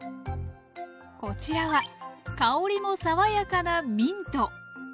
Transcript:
こちらは香りも爽やかなミント。